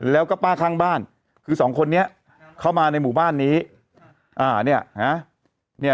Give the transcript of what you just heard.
แล้วก็ป้าข้างบ้านคือสองคนนี้เข้ามาในหมู่บ้านนี้